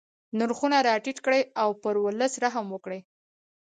نرخونه را ټیټ کړي او پر ولس رحم وکړي.